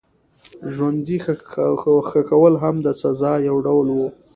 ژوندي ښخول هم د سزا یو ډول و.